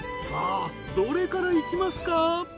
さあどれからいきますか？